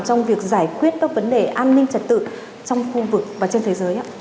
trong việc giải quyết các vấn đề an ninh trật tự trong khu vực và trên thế giới